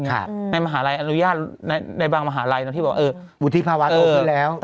ในบางมหาลัยอันยุยาตบุธิภาวะโอเคแล้ว